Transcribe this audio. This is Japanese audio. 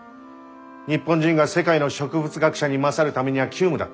日本人が世界の植物学者に勝るためには急務だった。